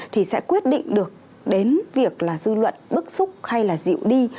thì sẽ quyết định được đến việc là dư luận bức xúc hay là dịu đi